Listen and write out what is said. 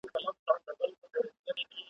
د چا درمان وسو ارمان پوره سو `